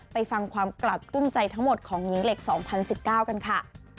ไปฟังความกลัดกลุ้มใจทั้งหมดของหญิงเหล็ก๒๐๑๙กันค่ะ